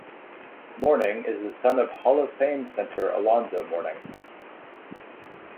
Mourning is the son of Hall of Fame center Alonzo Mourning.